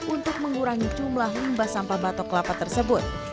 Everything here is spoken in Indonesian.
untuk mengurangi jumlah limbah sampah batok kelapa tersebut